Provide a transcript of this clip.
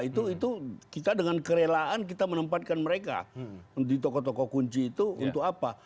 itu kita dengan kerelaan kita menempatkan mereka di tokoh tokoh kunci itu untuk apa